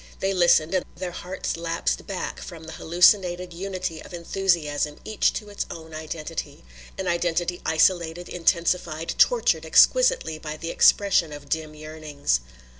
They listened, and their hearts lapsed back from the hallucinated unity of enthusiasm each to its own identity, an identity isolated, intensified, tortured exquisitely by the expression of dim yearnings.